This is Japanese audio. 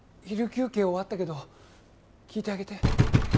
昼休憩終わったけど聞いてあげて。